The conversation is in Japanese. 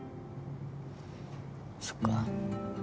そっか。